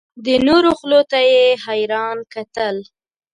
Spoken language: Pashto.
د نورو خولو ته یې حیران کتل.